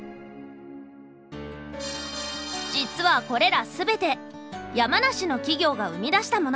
実はこれらすべて山梨の企業が生み出したもの。